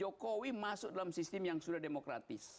jokowi masuk dalam sistem yang sudah demokratis